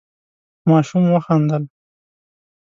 ماشوم وخندل.